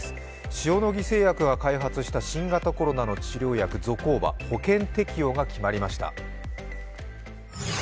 塩野義製薬が開発した新型コロナの経口薬ゾコーバの保険適用が決まりました。